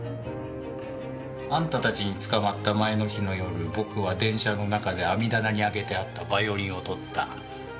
あんたたちに捕まった前の日の夜僕は電車の中で網棚に上げてあったバイオリンを取った。